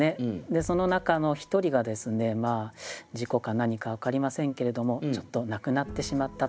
でその中の一人がですね事故か何か分かりませんけれどもちょっと亡くなってしまったと。